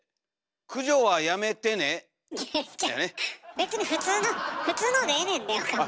別に普通の普通のでええねんで岡村。